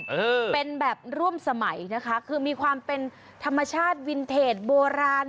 เออเป็นแบบร่วมสมัยนะคะคือมีความเป็นธรรมชาติวินเทจโบราณ